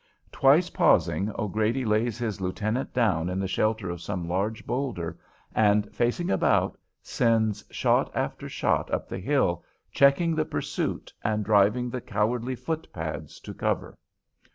Twice, pausing, O'Grady lays his lieutenant down in the shelter of some large boulder, and, facing about, sends shot after shot up the hill, checking the pursuit and driving the cowardly footpads to cover.